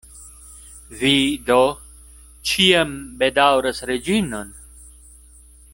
Vi do ĉiam bedaŭras Reĝinon?